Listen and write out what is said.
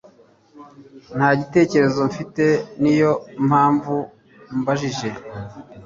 Nta gitekerezo mfite. Niyo mpamvu mbajije.